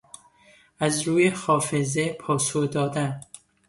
از روی حافظه پاسخ دادن